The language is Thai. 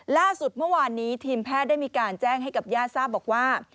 ล่าสุดเมื่อวานนี้ทีมแพทย์ได้มีการแจ้งให้กับญาติทราบบอกว่า